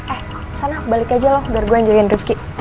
eh sana balik aja lo biar gue njagain rifqi